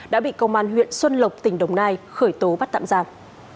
đã bị công an huyện xuân lộc tỉnh đồng nai khởi tố bắt tạm giam